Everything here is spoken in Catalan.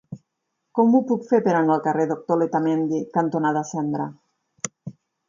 Com ho puc fer per anar al carrer Doctor Letamendi cantonada Cendra?